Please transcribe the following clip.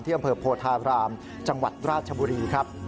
อำเภอโพธารามจังหวัดราชบุรีครับ